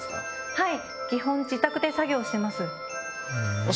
はい。